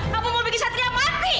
kamu mau bagi satria mati